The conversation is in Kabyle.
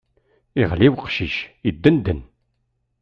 Iɣli uqcic, iddenden.